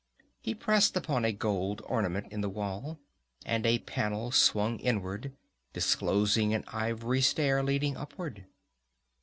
He pressed upon a gold ornament in the wall, and a panel swung inward, disclosing an ivory stair leading upward.